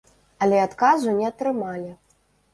Але адказу не атрымалі.